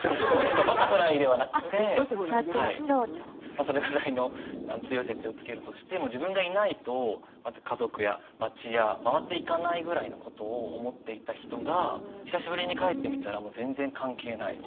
まあそれぐらいの強い設定をつけるとして自分がいないと家族や町や回っていかないぐらいのことを思っていた人が久しぶりに帰ってみたら全然関係ない。